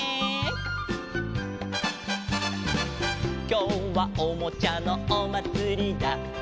「きょうはおもちゃのおまつりだ」